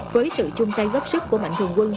với sự chung tay góp sức của mạnh thường quân